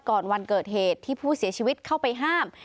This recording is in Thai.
วันเกิดเหตุที่ผู้เสียชีวิตเข้าไปห้าม